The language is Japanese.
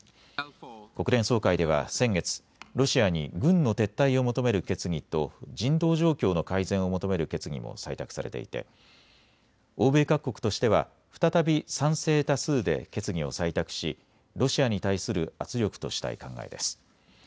国連総会では先月、ロシアに軍の撤退を求める決議と人道状況の改善を求める決議も採択されていて欧米各国としては再び賛成多数で決議を採択しロシアに対する圧力としたい考えです。